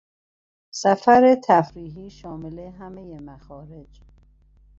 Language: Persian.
سفر تفریحی شامل همهی مخارج